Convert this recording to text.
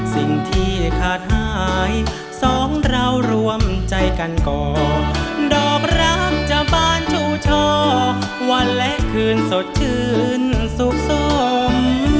สิ่งที่ขาดหายสองเรารวมใจกันก่อดอกรักเจ้าบ้านชูช่อวันและคืนสดชื่นสุขสม